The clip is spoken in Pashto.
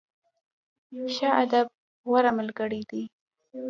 ښه ادب، غوره ملګری دی.